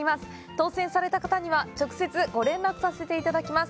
当せんされた方には、直接ご連絡させていただきます。